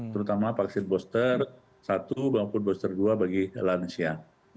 terutama vaksin booster satu maupun booster dua bagi lansia